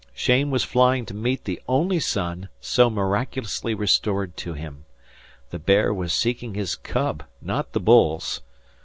Cheyne was flying to meet the only son, so miraculously restored to him. The bear was seeking his cub, not the bulls.